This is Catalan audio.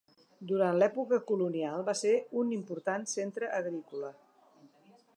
Durant l'època colonial va ser un important centre agrícola.